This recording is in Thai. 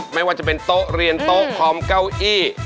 ไม่ว่าจะเป็นโต๊ะเรียนโต๊ะพร้อมเก้าอี้